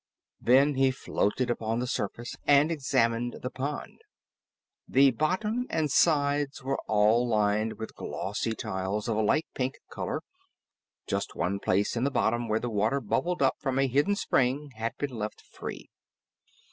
Then he floated upon the surface and examined the pond. The bottom and sides were all lined with glossy tiles of a light pink color; just one place in the bottom where the water bubbled up from a hidden spring had been left free.